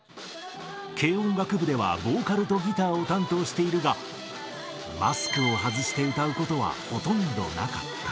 軽音楽部ではボーカルとギターを担当しているが、マスクを外して歌うことはほとんどなかった。